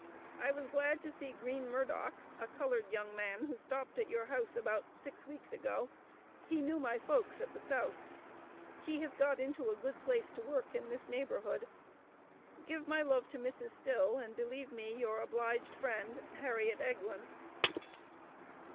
I was glad to see Green Murdock, a colored young man, who stopped at your house about six weeks ago, he knew my folks at the South. He has got into a good place to work in this neighborhood. Give my love to Mrs Still, and believe me your obliged friend, HARRIET EGLIN.